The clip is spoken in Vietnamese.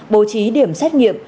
bố trí điểm xét nghiệm